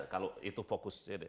kalau itu fokus